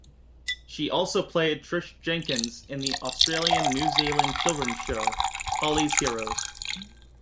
She also played Trish Jenkins in the Australian-New Zealand children's show, "Holly's Heroes".